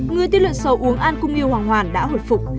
người tiết luận sầu uống an cung nghiêu hoàng hoàn đã hồi phục